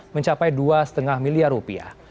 mencapai dua lima miliar rupiah